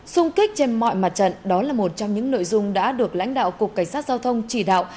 xung kích trên mọi mặt trận đó là một trong những nội dung đã được lãnh đạo cục cảnh sát giao thông chỉ đạo